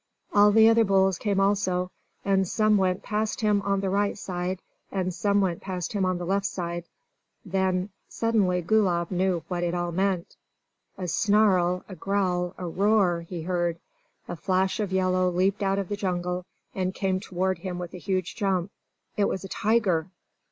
All the other bulls came also, and some went past him on the right side, and some went past him on the left side. Then suddenly Gulab knew what it all meant! A snarl a growl a roar, he heard. A flash of yellow leaped out of the jungle, and came toward him with a huge jump. It was a tiger!